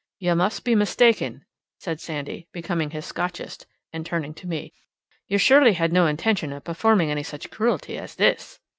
"You must be mistaken," said Sandy, becoming his Scotchest, and turning to me. "You surely had no intention of performing any such cruelty as this?"